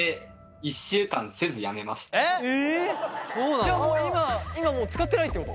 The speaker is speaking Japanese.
じゃあ今もう使ってないってこと？